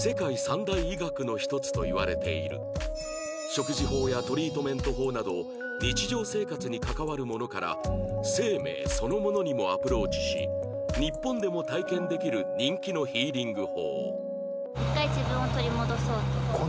食事法やトリートメント法など日常生活に関わるものから生命そのものにもアプローチし日本でも体験できる人気のヒーリング法